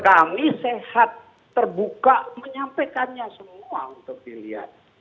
kami sehat terbuka menyampaikannya semua untuk dilihat